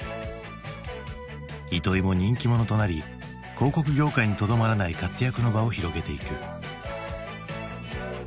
糸井も人気者となり広告業界にとどまらない活躍の場を広げていく。